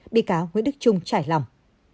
bị cáo nguyễn đức trung trải lòng